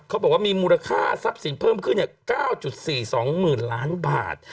เขาบอกว่ามีมูลค่าทรัพย์สินเพิ่มขึ้น๙๔๒๐๐๐ล้านบาท